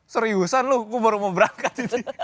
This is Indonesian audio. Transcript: seriusan loh kok baru mau berangkat